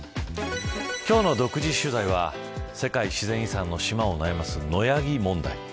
今日の独自取材は世界自然遺産の島を悩ます野ヤギ問題。